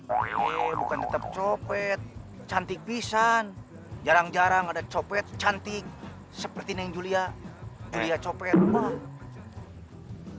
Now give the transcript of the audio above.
eh bukan tetep copet cantik bisa jarang jarang ada copet cantik seperti nih julia julia copet wah